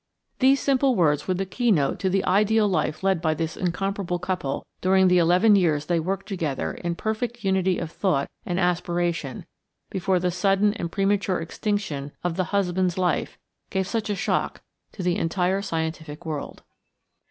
These simple words were the keynote to the ideal life led by this incomparable couple during the eleven years they worked together in perfect unity of thought and aspiration before the sudden and premature extinction of the husband's life gave such a shock to the entire scientific world.